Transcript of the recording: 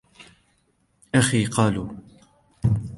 أَخِي قَالُوا